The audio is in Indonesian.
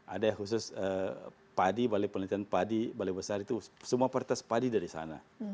ada yang khusus padi balai penelitian padi balai besar itu semua pertas padi dari sana